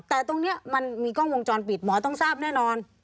แต่ตรงนี้มันมีกล้องวงจรปิดหมอต้องทราบแน่นอน